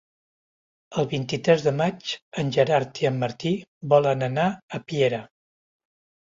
El vint-i-tres de maig en Gerard i en Martí volen anar a Piera.